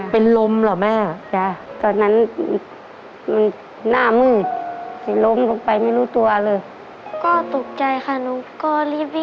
พักฝืนก็ไม่ได้